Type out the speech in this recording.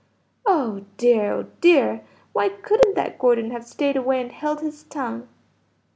Oh dear, oh dear! why couldn't that Gordon have staid away and held his tongue!"